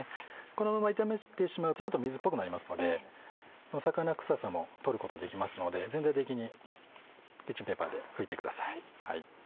このまま炒めてしまうとちょっと水っぽくなりますので魚くささも取ることできますので全体的にキッチンペーパーで拭いてください。